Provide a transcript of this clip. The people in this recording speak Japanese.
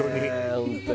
本当に。